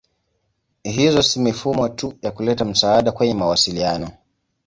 Hizo si mifumo tu ya kuleta msaada kwenye mawasiliano.